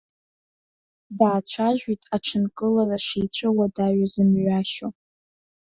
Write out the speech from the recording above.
Даацәажәеит аҽынкылара шицәыуадаҩыз мҩашьо.